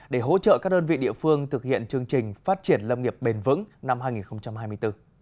để hỗ trợ các đơn vị địa phương thực hiện chương trình phát triển lâm nghiệp bền vững năm hai nghìn hai mươi bốn